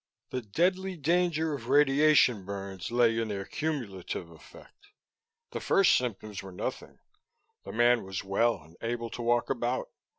The deadly danger of radiation burns lay in their cumulative effect; the first symptoms were nothing, the man was well and able to walk about.